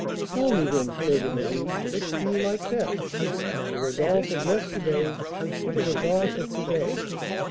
"Tell me, then, Fleur de Marie, which do you like best, the Rodolph of yesterday, or the Rodolph of to day?"